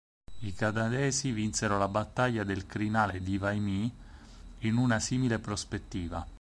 I canadesi vinsero la battaglia del crinale di Vimy in una simile prospettiva.